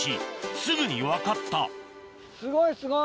すぐに分かったすごいすごい！